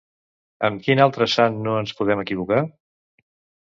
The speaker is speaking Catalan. Amb quin altre sant no ens podem equivocar?